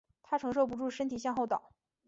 她承受不住身体向后倒